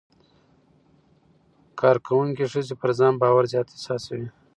کارکوونکې ښځې پر ځان باور زیات احساسوي.